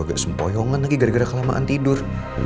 agak sempoyongan lagi gara gara kelamaan tidur